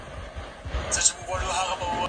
که موضوع تکراري وي نو ارزښت یې کمیږي.